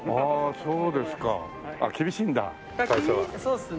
そうですね。